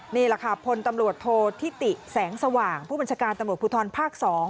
นี่แหละค่ะพลตำรวจโทษธิติแสงสว่างผู้บัญชาการตำรวจภูทรภาค๒